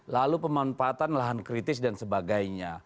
lalu pemanfaatan lahan kritis dan sebagainya